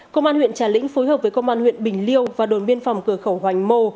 công an huyện trà lĩnh phối hợp với công an huyện bình liêu và đồn biên phòng cửa khẩu hoành mô